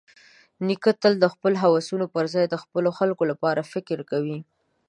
نیکه تل د خپلو هوسونو پرځای د خپلو خلکو لپاره فکر کوي.